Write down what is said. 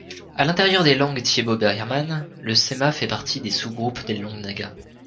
À l'intérieur des langues tibéto-birmanes, le sema fait partie du sous-groupe des langues naga.